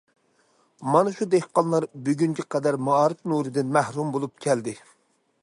مانا شۇ دېھقانلار بۈگۈنگە قەدەر مائارىپ نۇرىدىن مەھرۇم بولۇپ كەلدى.